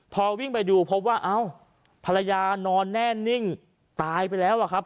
พอวิ่งไปดูพบว่าเอ้าภรรยานอนแน่นิ่งตายไปแล้วอะครับ